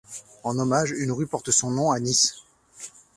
En hommage, une rue porte son nom à Nice.